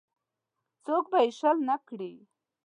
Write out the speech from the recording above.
څوک به یې شل نه کړي.